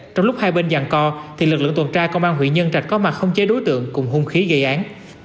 trong lúc hai bên giàn co lực lượng tuần tra công an huyện nhân trạch có mặt không chế đối tượng cùng hung khí gây án